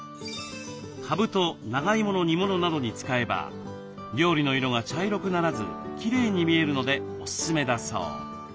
かぶと長いもの煮物などに使えば料理の色が茶色くならずきれいに見えるのでおすすめだそう。